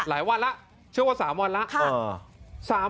หลายวันแล้วเชื่อว่า๓วันแล้ว